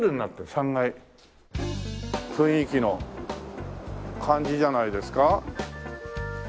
雰囲気の感じじゃないですか？